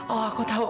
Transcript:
oh aku tahu